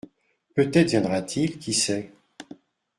Peut-être viendra-t-il qui sait ?